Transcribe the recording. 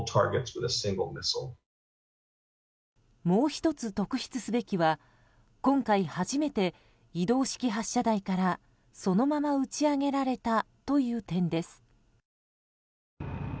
もう１つ、特筆すべきは今回初めて移動式発射台からそのまま打ち上げられたという点です。